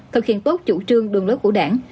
thực hiện tốt chủ trương đường lối của đảng